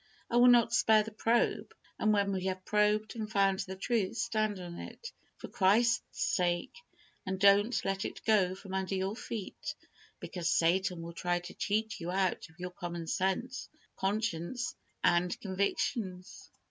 I will not spare the probe, but when we have probed and found the truth, stand on it, for Christ's sake, and don't let it go from under your feet, because Satan will try to cheat you out of your common sense, conscience, and convictions.